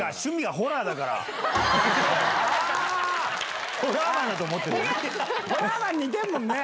ホラーマン似てるもんね。